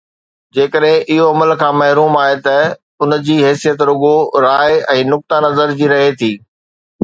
جيڪڏهن اهو عمل کان محروم آهي ته ان جي حيثيت رڳو راءِ ۽ نقطه نظر جي رهي ٿي